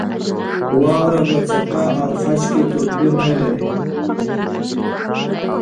واوره په څپه او خج کې توپیر نه لري.